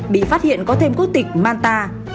bị phát hiện có thêm quốc tịch nước ngoài